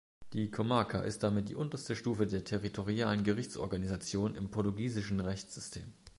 Die Comarca ist damit die unterste Stufe der territorialen Gerichtsorganisation im portugiesischen Rechtssystem.